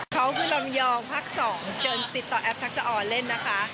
เขาคือลำยองพัก๒จนติดต่อแอปทักษะออนเล่นนะคะ